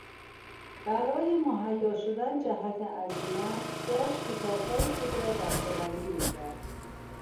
برای مهیا شدن جهت عزیمت داشت کتابهای خود را بستهبندی میکرد.